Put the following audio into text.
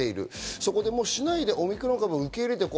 そこでしないでオミクロン株を受け入れて行こう。